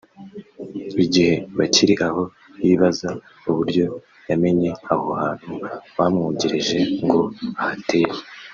Igihe bakiri aho yibaza uburyo yamenya aho hantu bamwogereje ngo ahatere